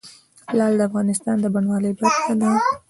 لعل د افغانستان د بڼوالۍ برخه ده.